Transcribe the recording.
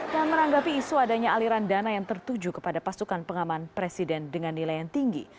dan meranggapi isu adanya aliran dana yang tertuju kepada pasukan pengaman presiden dengan nilai yang tinggi